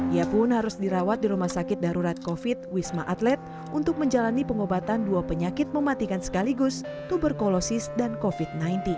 ia pun harus dirawat di rumah sakit darurat covid wisma atlet untuk menjalani pengobatan dua penyakit mematikan sekaligus tuberkulosis dan covid sembilan belas